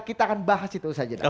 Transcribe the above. kita akan bahas itu saja